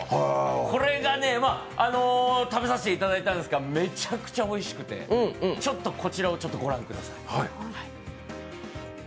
これが食べさせていただいたんですが、めちゃめちゃおいしくて、ちょっとこちらをご覧ください。